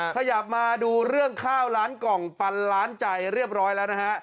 ขยับมาดูเรื่องข้าวล้านกล่องปันล้านใจเรียบร้อยแล้วนะฮะ